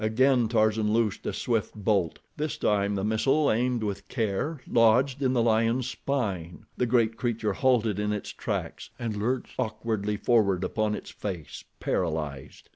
Again Tarzan loosed a swift bolt. This time the missile, aimed with care, lodged in the lion's spine. The great creature halted in its tracks, and lurched awkwardly forward upon its face, paralyzed.